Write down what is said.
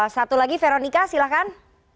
satu lagi veronika silakan